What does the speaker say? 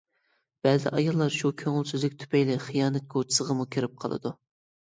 بەزى ئاياللار شۇ كۆڭۈلسىزلىكى تۈپەيلى خىيانەت كوچىسىغىمۇ كىرىپ قالىدۇ.